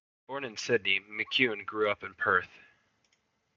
Born in Sydney, McCune grew up in Perth.